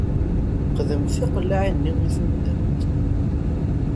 Sfeqdemt tiqellaɛin-nni i tundamt.